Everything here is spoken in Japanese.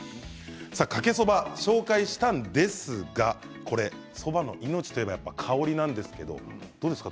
かけそば紹介したんですがそばの命といえば香りなんですがどうですか？